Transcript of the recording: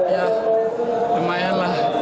ya lumayan lah